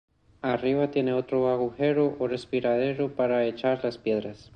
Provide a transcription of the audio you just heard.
Arriba tiene otro agujero o respiradero, para echar las piedras.